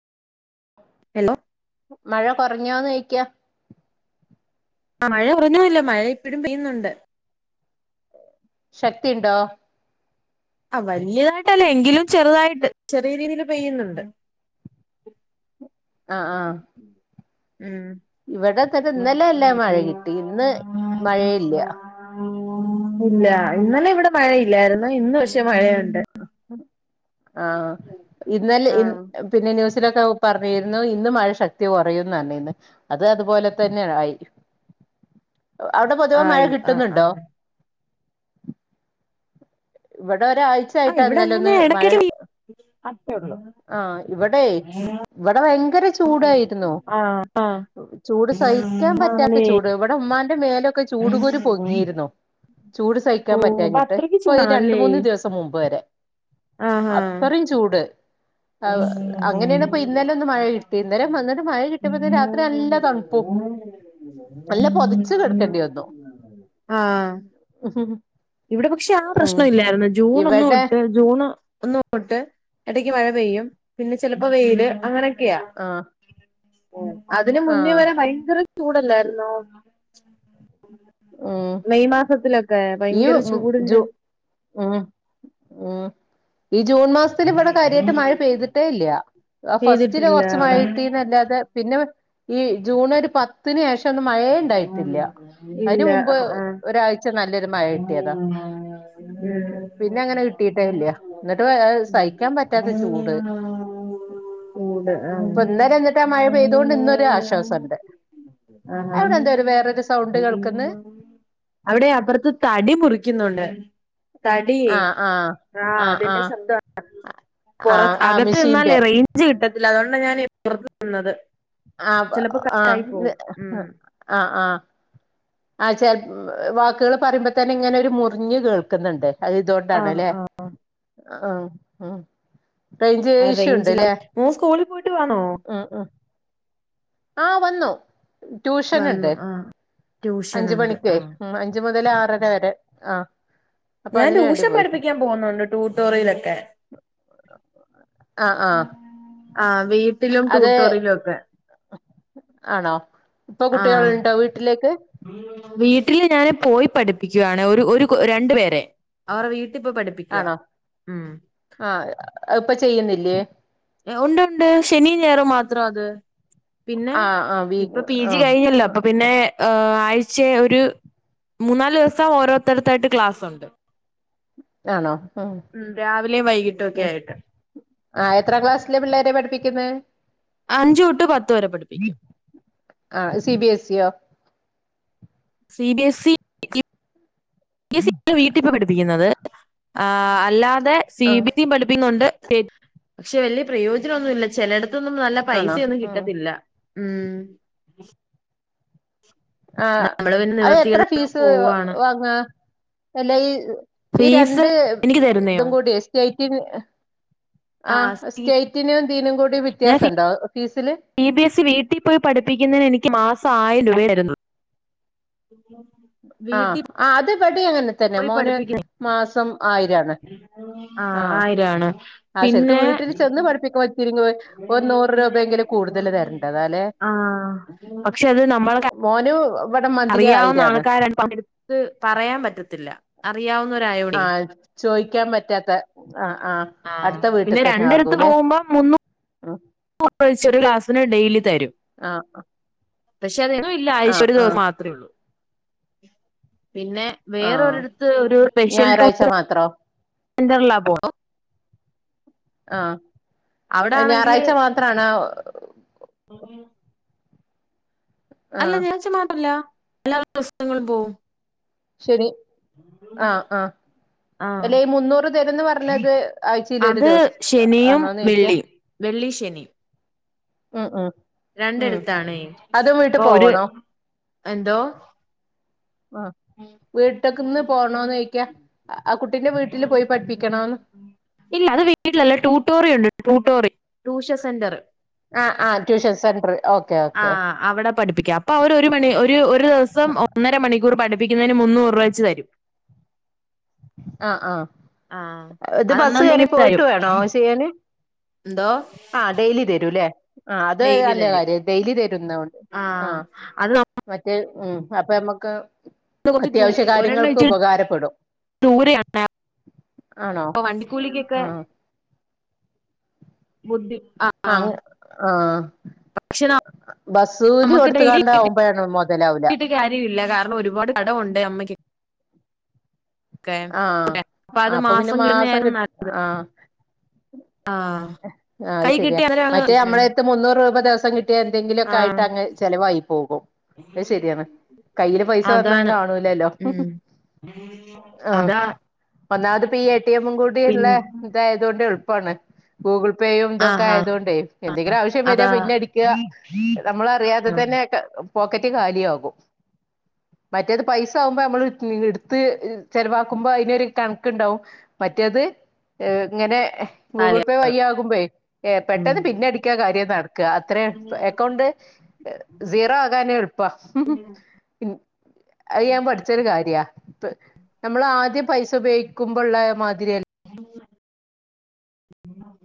Hello. മഴ കുറഞ്ഞോന്ന് ഒയ്ക്ക. ആ മഴ കുറഞ്ഞല്ല മഴ ഇപ്പഴും പെയ്യുന്നുണ്ട്. ശക്തി ഉണ്ടോ? ആ വലിയതായിട്ടല്ല എങ്കിലും ചെറുതായിട്ട് ചെറിയ രീതിൽ പെയ്യുന്നുണ്ട് ആ ആ ഉം ഇവിടെ തന്ന ഇന്നലെ നല്ല മഴ കിട്ടി ഇന്ന് മഴയില്ല ആ ഇല്ല ഇന്നലെ ഇവിടെ മഴയില്ലായിരുന്നു ഇന്ന് പക്ഷേ മഴയുണ്ട് ആഹ ഇന്നലെ ഇ ആഹ് പിന്നെ ന്യൂസ് [unintelligible] ക്കെ പറഞ്ഞിരുന്നു ഇന്ന് മഴ ശക്തി കുറയുന്നന്നെ. ഇന്ന് അത് അതുപോലെ തന്നെ ആയി. അവിടെ പൊതുവെ മഴ ആയി ആഹ് കിട്ടുന്നുണ്ടോ? ആഹ് ഇവിടെ ആ ഒരാഴ്ചായിട്ട് ഇവിടെ ഇന്നല അങ്ങനെ ഒന്ന് മഴ ഇടക്കൊക്കെ പെയ്യും അത്രേ ഉള്ളൂ ആഹ ഇവിടെ ഇവിടെ ഭയങ്കര ചൂടായിരുന്നു. ആഹ് ആഹ് ചൂട് സഹിക്കാൻ പറ്റാത്ത ആണല്ലേ ചൂട്. ഇവിടെ ഉമ്മാന്റെ മേലൊക്കെ ചൂട്കൂരു പൊങ്ങിയിരുന്നു. ചൂട് ഓ സഹിക്കാൻ അപ്പൊ പറ്റാഞ്ഞിട്ട്. അത്രക്ക് ഇപ്പൊ ഈ രണ്ട് ചൂടാണല്ലേ മൂന്ന് ദിവസം മുമ്പ് വരെ. ആഹ് ആഹ് അത്രയും ചൂട്. അങ്ങനെയാണ്പ്പോ ഇന്നലെ ഒന്ന് മഴ കിട്ടി. ഇന്നലേം വന്നിട്ട് മഴ കിട്ടുമ്പ രാത്രി നല്ല തണുപ്പും. നല്ല പൊതച്ചു കിടക്കേണ്ടി വന്നു. ആ. ഇവിടെ പക്ഷെ ആ ഉം പ്രശ്നല്ലായിരുന്നു. ജൂൺ ഒന്ന് ഇവിടെ തൊട്ട് ജൂണ് ഒന്ന തോട്ട് ഇടക്ക് മഴ പെയ്യും. പിന്നെ ചെലപ്പോ വെയില് അങ്ങനെ ആ. അതിന് മുന്നേ വരെ ഭയങ്കര ചൂടല്ലായിരുന്നോ. ഉം മെയ് മാസത്തിലൊക്കെ. ഈ ഭയങ്കര ജു ചൂടിന്റെ ഉം ഉം. ഈ ജൂൺ മാസത്തിൽ ഇവിടെ കാര്യമായിട്ട് മഴ പെയ്തിട്ടേ ഇല്ല. ആ ഫസ്റ്റിലെ പെയ്തിട്ടില്ല കൊറച്ചു മഴ അവിടെ കിട്ടീന്നല്ലാതെ പിന്നെ ഈ ജൂൺ ഒരു പത്ത് മഴയെ ഇണ്ടായിട്ടില്ല. അയ്‌നു ഇല്ല മുൻപ് ആഹ് ആഹ് ഒരാഴ്ച്ച നല്ലൊരു മഴ കിട്ടിയതാ. പിന്നെ അങ്ങനെ കിട്ടീട്ടേ ഇല്ല. ഉം എന്നിട്ട് [unintelligible] സഹിക്കാൻ പറ്റാത്ത ചൂട് കൂടെ ആ. ഇപ്പൊ ഇന്നലെ എന്നിട്ട് ആ മഴ പെയ്തോണ്ട് ഇന്നൊരു ആശ്വാസമുണ്ട് ആഹാ അവിടെ എന്താ ഒരു വേറൊരു സൗണ്ട് കേൾക്കുന്ന് അവിടെ അപ്പുറത്ത് തടി മുറിക്കുന്നുണ്ട്. തടി ആഹ് ആഹ് ആ ആഹ് അതന്റെ ആഹ് ശബ്ദാ പുറ ആഹ് ആഹ് അകത്ത് നിന്നാലേ മെഷീന്റെ റേഞ്ച് കിട്ടത്തില്ല. അതുകൊണ്ടാണ് ഞാൻ പുറത്ത് നിന്നത്. ആ ചിലപ്പോ കട്ടായി ആഹ് പോവും ഉം ആഹ് ആഹ. ആ ചെ വാക്കുകള് പറയുമ്പോ തന്നെ ഇങ്ങനെ ഒരു മുറിഞ്ഞ് കേൾക്കുന്നുണ്ട്. അത് ആഹ് ഇതുകൊണ്ടാണല്ലേ ആഹ് ആ മം. റേഞ്ച് റേഞ്ചില ഇഷ്യുണ്ട്ല്ലേ. മോൻ സ്കൂളിൽ പോയിട്ട് വന്നോ അ അ ആ വന്നു, ട്യൂഷൻ വന്നു ഉണ്ട്. ആഹ് അഞ്ച് ട്യൂഷനുണ്ട് മണിക്കേ ആഹ് അഞ്ച് മുതൽ ആറര വരെ ആ. ഞാൻ ട്യൂഷൻ പഠിപ്പിക്കാൻ പോകുന്നുണ്ട് ട്യൂട്ടോറിയലൊക്കെ. ആഹ് ആഹ. ആഹ വീട്ടിലും ടൂട്ടോറിലും ഒക്കെ. ആണോ. ഇപ്പൊ ആഹ് കുട്ടികളുണ്ടോ വീട്ടിലേക്ക്. വീട്ടില് ഞാന് പോയി പഠിപ്പിക്കുവാണ് ഒരു രണ്ടു പേരെ അവരടെ വീ ആണോ ആഹ ഇപ്പൊ ചെയ്യുന്നില്ലേ? ഉണ്ട് ഉണ്ട് ശനിം ഞായറും മാത്രം ആണ്. പിന്നെ, ആ ആ വീ ഇപ്പൊ പി ആ ജി കഴിഞ്ഞല്ലോ അപ്പൊ പിന്നെ ആ ആഴ്ച്ചേ ഒരു മൂന്നാല് ദിവസം ഓരോരുത്തരത്തായിട്ട് ക്ലാസുണ്ട്. ആണോ. വൈകിട്ടും ഒക്കെ ആയിട്ട് ആ എത്രാം ക്ലാസ് ലെ പിള്ളേരെ പഠിപ്പിക്കുന്നെ? അഞ്ചു തൊട്ട് പത്ത് വരെ പഠിപ്പിക്കും ആ സി ബിഎസ് ഇി യോ. C B S E, C B S E വീട്ടിപോയി പഠിപ്പിക്കുന്നത്. ആ അല്ലാതെ സി ആ ബി [unintelligible] പഠിപ്പിക്കുന്നുണ്ട്. പക്ഷെ വലിയ പ്രയോജനം ഒന്നുമില്ല. ചേലെടത്തു തൊന്നും നല്ല ആണോ പൈസയൊന്നും ഉം കിട്ടത്തില്ല. മം. ആ നമ്മള് പിന്നെ അത് എത്ര നിവർത്തികേട് ഫീസ് പോവാണ് വാങ്ങാ. എല്ലാ ഈ ഈ ഫീസ് രണ്ട് എനിക്ക് തരുന്നയോ ഇതും കൂടി സ്റ്റേറ്റന് ആ സ്റ്റേറ്റിനുംന്തീനും കൂടി വ്യത്യാസണ്ടോ ഫീസീല് ബി ബി എസ് സി വീട്ടിൽ പോയി പഠിപ്പിക്കുന്നന് എനിക്ക് മാസം ആയിരം രൂപയുണ്ട് ആ വീട്ടിൽ ആ അത് ഇബടീം അങ്ങനെ തന്നെ പോയി മോന് പഠിപ്പിക്ക മാസം ആയിരാണ് ആ ആയിരാണൊ ആഹ് ശരിക്കും പിന്നെ വീട്ടിൽ ചെന്ന് പഠിപ്പിക്കുമ്പോ ഇത്തിരിങ്ങ് ഒരു നൂറ് രൂപയെങ്കിലും കൂടുതൽ തരേണ്ടതാല്ലേ ആ ആ പക്ഷെ അത് നമ്മള മോന് ഇവിടെ മന്ത്ലി അറിയാവുന്ന ആയിരാണ് ആൾക്കാര പടുത്ത് പറയാൻ പറ്റത്തില്ല അറിയാവുന്ന ആ ചോയിക്കാൻ പറ്റാത്ത ആ ആ അടുത്ത വീട്ടിൽ തന്നെ ആകൂല്ലെ ഒന്നും ചെറിയ ക്ലാസിന് ഡെയിലി തരും ആഹ് പക്ഷെ അത് എന്നു ഇല്ല ആഴച ആഹ് ഒരു ആഹ് മാത്ര ഒള്ളൂ പിന്നെ ആഹ് വേറൊരിടുത്ത് ഒരു സ്പെഷ്യൽ ഞായറാഴ്ച ടൂറി മാത്രോ സെന്ററല്ലാ പോണ അവിടെ ആ ഞായറാഴ്ച മാത്രണൊ ഓ ആഹ് അല്ല ാച്ച മാത്രല്ല എല്ലാ ദിവസങ്ങളും പോവും ശരി ആ ആ ആഹ് അല്ല ഈ മുന്നൂറ് തരുംന്ന് പറഞ്ഞത് ആഴ്ചയില് ഒരു അത് ദിവസം ശനിയും ആണോന്ന് ചൊയ്ക്ക വെള്ളിയും വെള്ളി ഉം ഉ രണ്ടടുത്തെ ഒരു പോവണോ എന്തോ ആ വീട്ടൊക്കന്ന് പോണോന്ന് ചോയിക്കാ ആ കുട്ട ഇല്ല അത് വീട്ടിലല്ല ട്യൂട്ടോറിയണ്ട് ട്യൂട്ടോറി ട്യൂഷൻ സെന്റർ ആഹ് ആ് ട്യൂഷൻസ് ആ അവിടെ പഠിപ്പിക്കാം അപ്പൊ അവര് ഒരു മണി ഒരു ഒരു ദിവസം ഒന്നര മണിക്കൂർ പഠിപ്പ പ്പിക്കുന്നതിന് മൂന്നൂരൂഴ്ച്ച തരും ആ ആ ആഹ് ഇത് അത് ബസ് കറി അന്നന്നിങ്ങ് പോയിട്ട് തരും വേണോ ചെയ്യാന് എന്തോ ആ ഡെയിലി തരൂല്ലേ ആ അത് നല്ല കാര്യം ഡെയിലി തരുംുന്നണ്ട് ആ അത് ഉ അപ്പ നമുക്ക് കുറച്ച് അത്യാവശ്യ കാര്യങ്ങൾക്ക് ഉപകാരപ്പെടും ദൂരണ ആണോ വണ്ടിക്കൂലിക്കൊക്കെ ആഹ് ബുദ്ധി ആ ആഹ് ആഹ് ഭക്ഷണം ബസ്സൂലി നമ്മുക്ക് ഡെയിലി കൊടുത്ത്കാണ്ടാവുമ്പഴാണ് മൊതലാവൂല കട്ടിട്ട കാര്യ ഇില്ല കാരണം ഒരുപാട് കടംവുണ്ട് അമ്മയ്ക്ക് ആ അത് അപ്പൊ പിന്നെ മാസം കിട്ടുന്നതായിരുന്നു കിട്ട നല്ല ആ ആ ആ കൈ ശരിയാ കിട്ടി അന്നേരം അങ്ങ് മറ്റേ ഇതിനും നമ്മളയത്ത് മുന്നൂറ് രൂപ ദിവസം കിട്ടിയാ എന്തെങ്കിലുമൊക്കെ ആ ആയി ങ് ചിലവായി പോകും അത് ശെരിയാണ് കയ്യില് പൈസ വന്നാ അതാണ് കാണൂലല്ലോ ഉം ആ അതാ ഒന്നാമത്പ്പ ഈ എ ടിഎമ്മും കൂടി പിൻ ഉള്ള ഇതായതുണ്ട് എളു ണ് ഗൂഗിൾ പേയും ഇതൊക്കെ ആഹാ ആയത് കൊണ്ടേ എന്തെങ്കിലും ആവശ്യം വരി അതാ പിന്ന് അടിക്ക നമ്മളറിയാതെ ആ തന്നെക്കെ പോക്കറ്റ് ഖാലിയ ആകും മറ്റേത് പൈസ ആകുമ്പോ നമ്മൾ എടുത്ത് ചെലവാക്കുമ്പോ അതിനൊരു കണക്കുണ്ടാവും മറ്റേത് ഇങ്ങനെ ഗൂഗിൾ കാര്യ പേ വയ്യ ആകുമ്പേ ഉം പെട്ടെന്ന് പിന്ന് അടിക്കാ കാര്യം അത്രയും അക്കൗണ്ട് സീറോ ആകാനേ എളുപ്പ അത് ഞാൻ പഠിച്ചൊരു കാര്യ നമ്മൾ ആദ്യം പൈസ ഉപയോഗിക്കുമ്പോള്ള മാതിരി ഉ